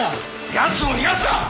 やつを逃がすな！